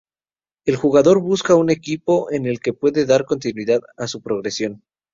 El jugador busca un equipo en el que poder dar continuidad a su progresión.